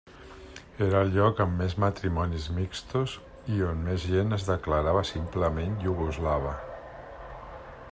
Era el lloc amb més matrimonis mixtos i on més gent es declarava simplement iugoslava.